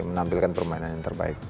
menampilkan permainan yang terbaik